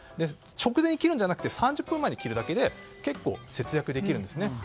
それも直前に切るんじゃなくて３０分前に切るだけで結構、節約できるんですね。